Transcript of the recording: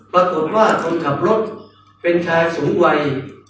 ปรากฏว่าคนขับรถเป็นชายสูงวัย